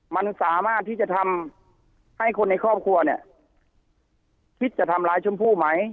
มันสามารถที่จะทำให้คนในครอบครัวเนี่ยคิดจะทำร้ายชมพู่ไหม